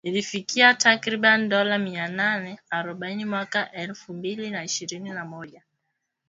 lilifikia takriban dola mia nane harobaini mwaka wa elfu mbili na ishirini na moja